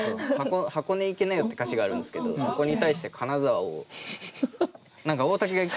「箱根行きなよ」って歌詞があるんですけどそこに対して金沢を。